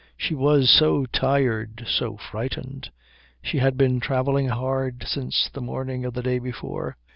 She was so tired, so frightened. She had been travelling hard since the morning of the day before.